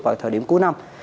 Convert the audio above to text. vào thời điểm cuối năm